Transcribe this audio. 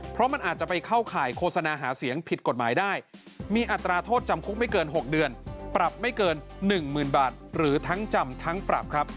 เพราะมันอาจจะไปเข้าข่ายโฆษณาหาเสียงผิดกฎหมายได้มีอัตราโทษจำคุกไม่เกิน๖เดือนปรับไม่เกิน๑๐๐๐บาทหรือทั้งจำทั้งปรับครับ